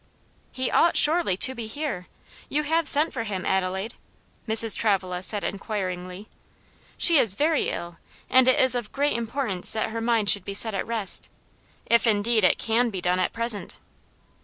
"He ought surely to be here! You have sent for him, Adelaide?" Mrs. Travilla said inquiringly. "She is very ill, and it is of great importance that her mind should be set at rest, if indeed it can be done at present."